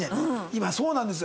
今そうなんです。